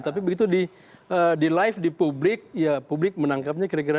tapi begitu di live di publik ya publik menangkapnya kira kira